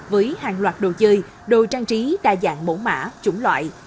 với hàng loạt đồ chơi đồ trang trí đa dạng mẫu mã chủng loại